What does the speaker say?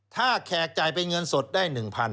ถ้าแขกจ่ายเป็นเงินสดได้๑๐๐๐